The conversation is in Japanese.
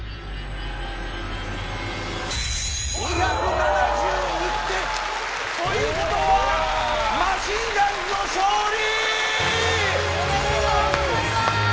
２７１点、ということはマシンガンズの勝利。